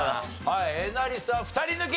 えなりさん２人抜き！